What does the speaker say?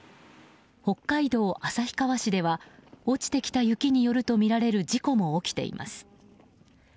北海道旭川市では落ちてきた雪によるとみられる事故も起きています。